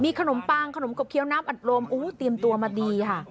ขนมปังขนมกบเคี้ยวน้ำอัดลมเตรียมตัวมาดีค่ะ